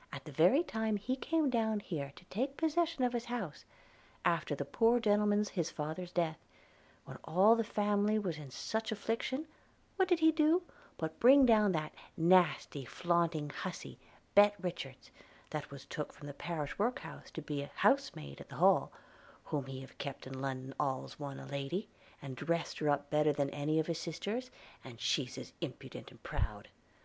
– at the very time he came down here to take possession of his house, after the poor gentleman's his father's death, and when all the family was in such affliction – what did he do, but bring down that nasty flaunting hussey Bet Richards, that was took from the parish work house to be housemaid at the Hall – whom he have kept in London all's one as a lady, and dressed her up better than any of his sisters – and she's as impudent and proud!